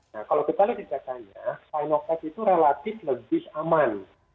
nah kalau kebalik biasanya sinovac itu relatif lebih aman